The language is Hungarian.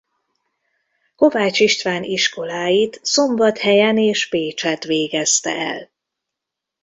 Kovács István iskoláit Szombathelyen és Pécsett végezte el.